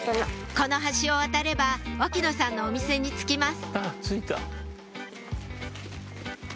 この橋を渡れば沖野さんのお店に着きます